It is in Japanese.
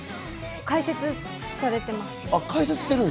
解説されています。